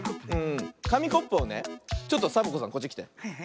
かみコップをねちょっとサボ子さんこっちきて。